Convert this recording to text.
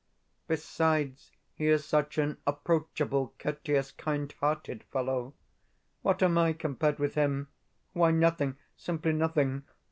Besides, he is such an approachable, courteous, kind hearted fellow! What am I compared with him? Why, nothing, simply nothing!